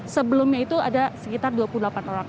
sebelumnya itu ada sekitar dua puluh delapan orang